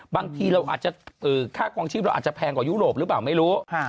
บางทีเราอาจจะค่าคลองชีพเราอาจจะแพงกว่ายุโรปหรือเปล่าไม่รู้